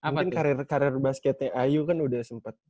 mungkin karir basketnya ayu kan udah sempat